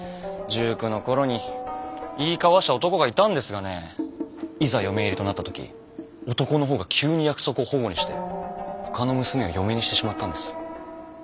１９の頃に言い交わした男がいたんですがねいざ嫁入りとなった時男の方が急に約束を反故にしてほかの娘を嫁にしてしまったんです。